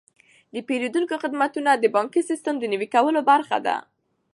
د پیرودونکو خدمتونه د بانکي سیستم د نوي کولو برخه ده.